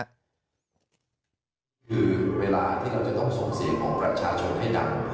คือเวลาที่เราจะต้องส่งเสียงของประชาชนให้ดัง